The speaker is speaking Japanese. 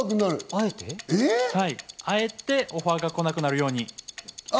あえてオファーがこなくなるように。